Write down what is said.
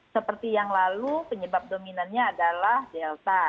seperti yang lalu penyebab dominannya adalah delta